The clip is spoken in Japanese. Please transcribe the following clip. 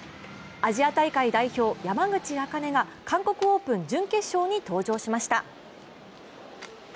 アジア大会代表・山口茜が韓国オープン準決勝に登場しました。